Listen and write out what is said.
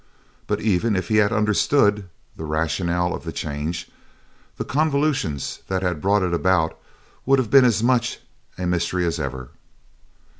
But even if he had understood the rationale of the change, the convulsion that had brought it about would have been as much a mystery as ever.